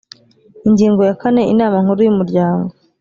ingingo ya kane inama nkuru y umuryango